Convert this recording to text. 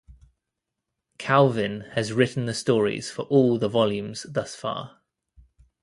Cauvin has written the stories for all the volumes thus far.